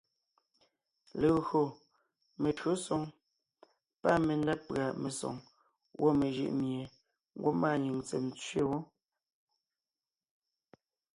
Legÿo metÿǒsoŋ pâ mendá pʉ̀a mesoŋ gwɔ̂ mejʉʼ mie ngwɔ́ maanyìŋ ntsèm tsẅe wó;